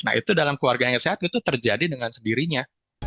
nah itu dalam keluarganya sehat itu terjadi dengan sendirinya